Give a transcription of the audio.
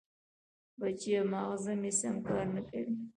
بچیه! ماغزه مې سم کار نه کوي.